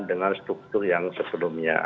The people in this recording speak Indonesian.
dengan struktur yang sebelumnya